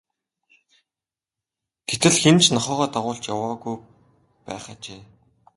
Гэтэл хэн нь ч нохойгоо дагуулж явуулаагүй байх ажээ.